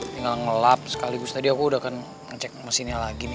tinggal ngelap sekaligus tadi aku udah akan ngecek mesinnya lagi nih